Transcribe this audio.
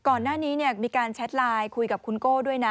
ก่อนหน้านี้มีการแชทไลน์คุยกับคุณโก้ด้วยนะ